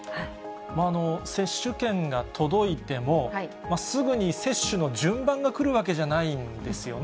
接種券が届いても、すぐに接種の順番が来るわけじゃないんですよね。